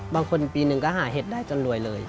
ปีหนึ่งก็หาเห็ดได้จนรวยเลย